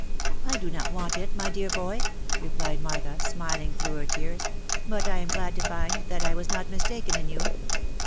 " I do not want it, my dear boy '."replied Martha, smiling through her tears, " but I am glad to find that I was not mistaken in you.